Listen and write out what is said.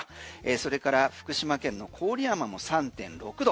それから福島県の郡山も３．６度。